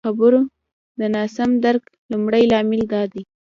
د خبرو د ناسم درک لمړی لامل دادی